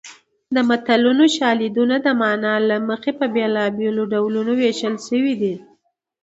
د متلونو شالیدونه د مانا له مخې په بېلابېلو ډولونو ویشل شوي دي